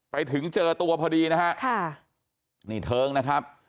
ไปเจอตัวพอดีนะฮะค่ะนี่เทิงนะครับ